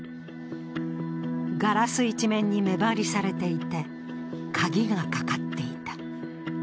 ガラス一面に目張りされていて、鍵がかかっていた。